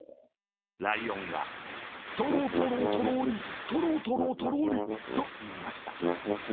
ライオンが「トロトロ、トロリ、トロトロ、トロリ。」と、いいました。